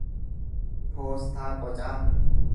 poostaa qocaa